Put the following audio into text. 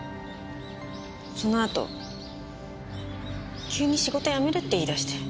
そのあと急に仕事辞めるって言い出して。